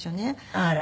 あら。